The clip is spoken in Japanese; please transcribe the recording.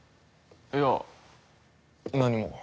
いや何も。